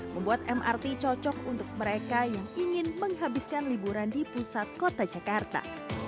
membuat mrt cocok untuk mereka yang ingin menghabiskan liburan di pusat kota jakarta